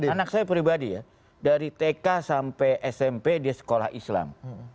anak saya pribadi ya dari tk sampai smp dia sekolah islam